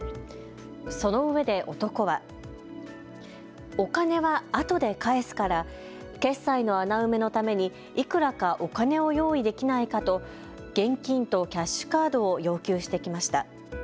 そのうえで男は、お金はあとで返すから、決済の穴埋めのためにいくらかお金を用意できないかと現金とキャッシュカードを要求してきました。